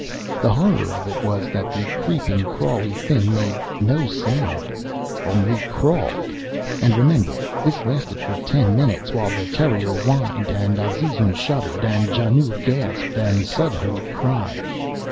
The horror of it was that the creeping, crawly thing made no sound only crawled! And, remember, this lasted for ten minutes, while the terrier whined, and Azizun shuddered, and Janoo gasped and Suddhoo cried.